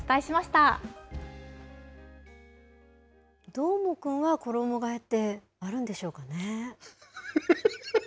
どーもくんは、衣がえってあるんでしょうかね？